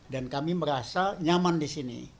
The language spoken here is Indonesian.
dan kami merasa nyaman di sini